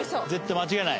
間違いない？」